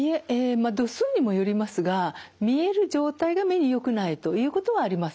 まあ度数にもよりますが見える状態が目によくないということはありません。